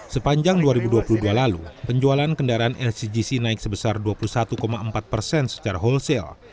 sepanjang dua ribu dua puluh dua lalu penjualan kendaraan lcgc naik sebesar dua puluh satu empat secara wholesale